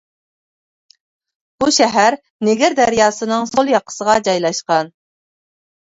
بۇ شەھەر نېگىر دەرياسىنىڭ سول ياقىسىغا جايلاشقان.